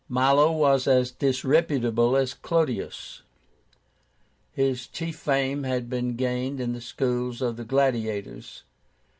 Milo was as disreputable as Clodius. His chief fame had been gained in the schools of the gladiators.